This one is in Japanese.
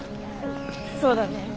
そうだね。